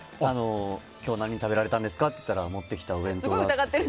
今日何食べられたんですかって言ったら持ってきたお弁当だって。